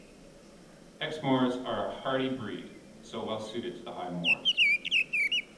Exmoors are a hardy breed, so well suited to the high moors.